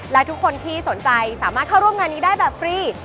และทุกคนที่สนใจสามารถเข้าร่วมงานนี้ได้แบบฟรี